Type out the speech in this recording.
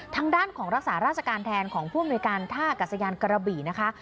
ทางด้านของรักษาราชการแทนของผู้อำนวยการท่ากัศยานกระบี่นะคะ